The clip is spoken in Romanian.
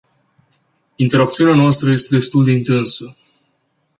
Interacțiunea noastră este destul de intensă.